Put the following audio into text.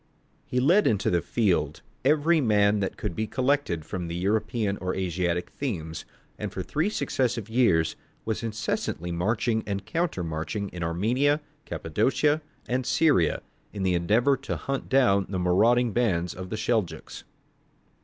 He led into the field every man that could be collected from the European or Asiatic themes, and for three successive years was incessantly marching and counter marching in Armenia, Cappadocia, and Syria, in the endeavour to hunt down the marauding bands of the Seljouks.